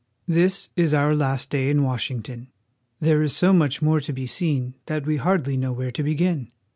THIS is our last day in Washington. There is so much more to be seen that we hardly know where to begin.